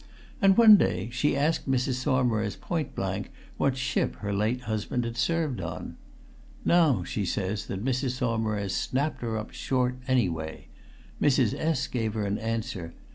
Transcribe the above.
And one day she asked Mrs. Saumarez point blank what ship her late husband had last served on? Now she says that Mrs. Saumarez snapped her up short anyway, Mrs. S. gave her an answer.